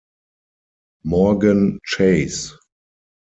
Morgan Chase.